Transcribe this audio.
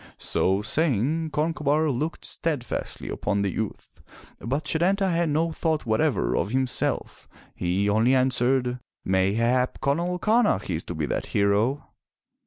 So saying, Concobar looked steadfastly upon the youth, but Setanta had no thought whatever of himself. He only answered, "Mayhap, Conall Camach is to be that hero."